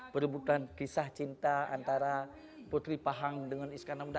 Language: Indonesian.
perebutan kisah cinta antara putri pahang dengan iskandar muda